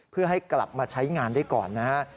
เพื่อให้กลับมาใช้งานได้ก่อนนะฮะ